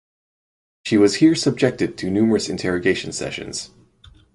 She was here subjected to numerous interrogation sessions.